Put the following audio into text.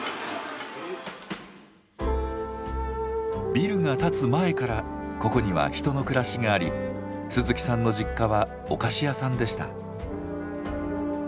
ビルが建つ前からここには人の暮らしがあり鈴木さんの実家はお菓子屋さんでした。